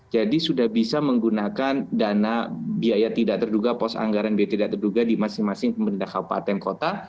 jadi sudah bisa menggunakan dana biaya tidak terduga pos anggaran biaya tidak terduga di masing masing pemerintah kabupaten kota